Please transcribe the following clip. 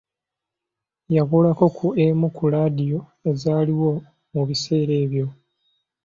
Yakolako ku emu ku laadiyo ezaaliwo mu biseera ebyo.